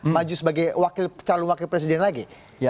maju sebagai calon wakil presiden lagi